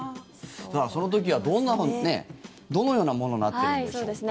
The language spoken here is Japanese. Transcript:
その時はどのようなものになっているんでしょうか。